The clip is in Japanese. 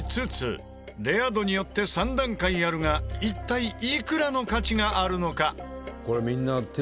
レア度によって３段階あるが一体いくらの価値があるのか？